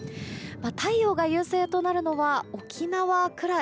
太陽が優勢となるのは沖縄くらい。